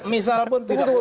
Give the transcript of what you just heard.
misal pun tidak